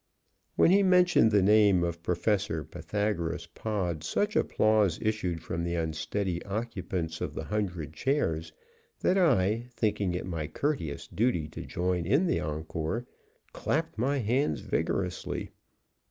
When he mentioned the name of Professor Pythagoras Pod such applause issued from the unsteady occupants of the hundred chairs that I, thinking it my courteous duty to join in the encore, clapped my hands vigorously.